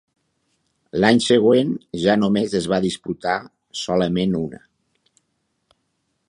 L'any següent ja només es va disputar solament una.